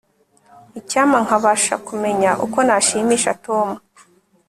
icyampa nkabasha kumenya uko nashimisha tom